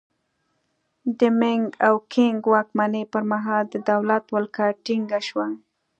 د مینګ او کینګ واکمنۍ پرمهال د دولت ولکه ټینګه شوه.